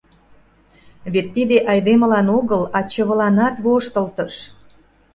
Вет тиде айдемылан огыл, а чывыланат воштылтыш.